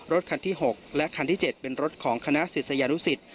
รถคันที่๖และคันที่๗เป็นรถของคณะศิษยานุสิต